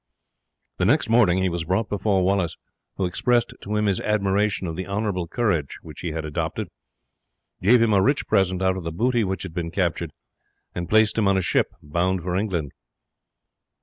The next morning he was brought before Wallace, who expressed to him his admiration of the honourable course which he had adopted, gave him a rich present out of the booty which had been captured, and placed him on a ship bound for England.